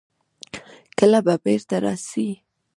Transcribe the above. کله به بېرته راسي.